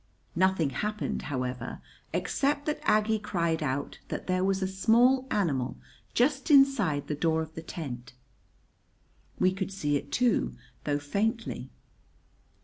Nothing happened, however, except that Aggie cried out that there was a small animal just inside the door of the tent. We could see it, too, though faintly.